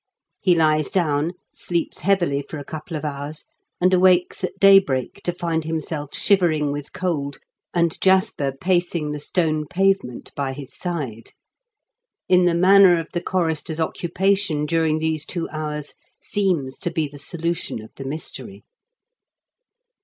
He lies down, sleeps heavily for a couple of hours, and awakes at daybreak to find himself shivering with cold and Jasper pacing the stone pavement by his side. In the manner of the chorister's occupa tion during these two hours seems to be the solution of the mystery.